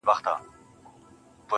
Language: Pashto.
څنگه دې هر صفت پر گوتو باندې وليکمه,